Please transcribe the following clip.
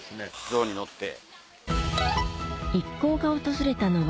象に乗って。